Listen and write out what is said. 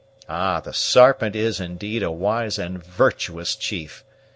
Ah, the Sarpent is indeed a wise and virtuous chief!